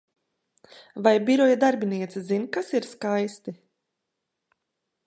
Vai biroja darbiniece zin, kas ir skaisti?